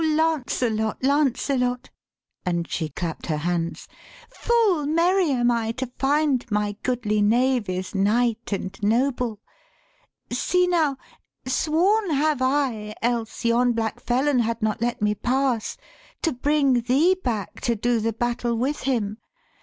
Lancelot, Lancelot' and she clapt her hands 1 Full merry am I to find my goodly knave Is knight and noble. See now, sworn have I, Else yon black felon had not let me pass, To bring thee back to do the battle with him.